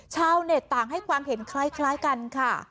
ชาวเน็ตต่างให้ความเห็นคล้ายกันค่ะ